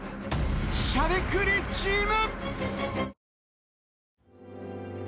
しゃべくりチーム！